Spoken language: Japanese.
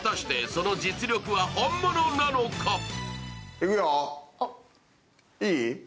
いくよ、いい？